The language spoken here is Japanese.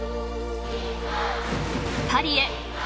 ［パリへ！